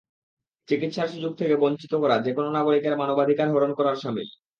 চিকিৎসার সুযোগ থেকে বঞ্চিত করা যেকোনো নাগরিকের মানবাধিকার হরণ করার শামিল।